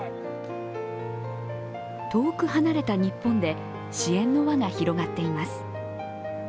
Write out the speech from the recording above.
遠く離れた日本で支援の輪が広がっています。